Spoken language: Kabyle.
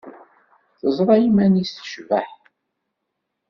Teẓra iman-nnes tecbeḥ.